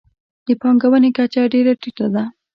د پانګونې کچه ډېره ټیټه ده.